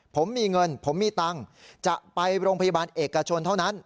ผมมีเงินผมมีตังค์จะไปโรงพยาบาลเอกชนเท่านั้น